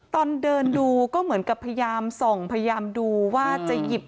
ตอนเดินดูก็เหมือนกับพยายามส่องพยายามดูว่าจะหยิบ